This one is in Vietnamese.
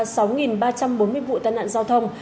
toàn quốc đã xảy ra sáu ba trăm bốn mươi vụ tàn nạn giao thông